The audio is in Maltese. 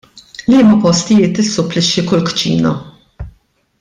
Liema postijiet tissupplixxi kull kċina?